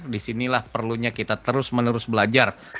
di sinilah perlunya kita terus menerus belajar